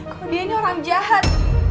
aku dia ini orang jahat